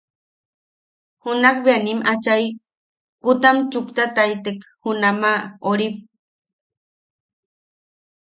Junakbea nim achai kutam chuktataitek junama ori.